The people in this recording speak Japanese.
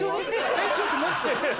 えっちょっと待って。